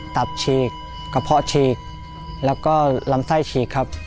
ตับฉีกกระเพาะฉีกแล้วก็ลำไส้ฉีกครับ